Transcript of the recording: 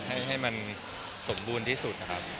ให้มันสมบูรณ์ที่สุดนะครับ